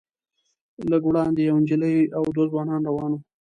لږ وړاندې یوه نجلۍ او دوه ځوانان روان وو.